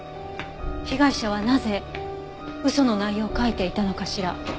被害者はなぜ嘘の内容を書いていたのかしら？